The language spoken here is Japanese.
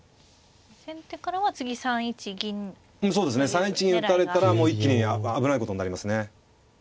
３一銀打たれたらもう一気に危ないことになりますね。